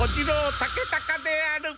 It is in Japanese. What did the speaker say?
竹高である！